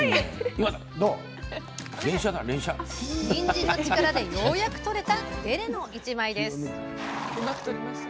にんじんの力でようやく撮れたデレの１枚。